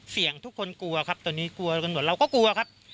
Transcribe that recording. เสี่ยงทุกคนกลัวครับตอนนี้กลัวเราก็กลัวครับ